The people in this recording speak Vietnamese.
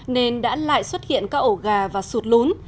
nên đã lại xuất hiện các ổ gà và sụt lún